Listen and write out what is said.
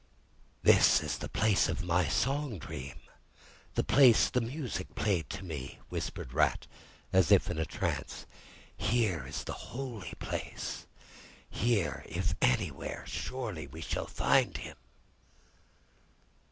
"This is the place of my song dream, the place the music played to me," whispered the Rat, as if in a trance. "Here, in this holy place, here if anywhere, surely we shall find Him!"